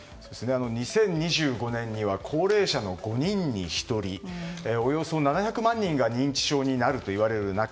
２０２５年には高齢者の５人に１人およそ７００万人が認知症になるといわれる中